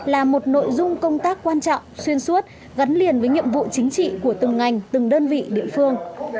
là một nội dung công tác quan trọng xuyên suốt gắn liền với nhiệm vụ chính trị của từng ngành từng đơn vị địa phương